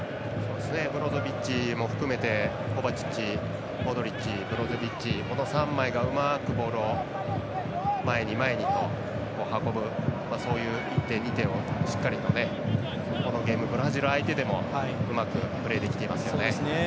ブロゾビッチも含めてコバチッチ、モドリッチブロゾビッチこの３枚がうまくボールを前に前にと運ぶ、そういう一手、二手をこのゲーム、ブラジル相手でもうまくプレーできていますね。